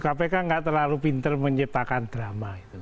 kpk nggak terlalu pinter menciptakan drama